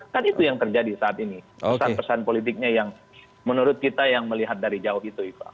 kan itu yang terjadi saat ini pesan pesan politiknya yang menurut kita yang melihat dari jauh itu iva